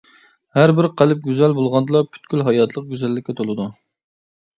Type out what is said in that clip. ھەربىر قەلب گۈزەل بولغاندىلا پۈتكۈل ھاياتلىق گۈزەللىككە تولىدۇ!